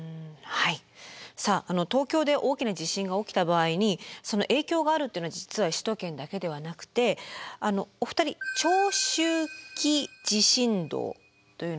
さあ東京で大きな地震が起きた場合に影響があるっていうのは実は首都圏だけではなくてお二人「長周期地震動」というのはご存じですか？